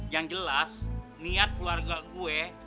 yang jelas niat keluarga gue